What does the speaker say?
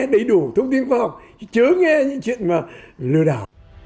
đấy đủ thông tin khoa học chứ chưa nghe những chuyện mà lưu đạo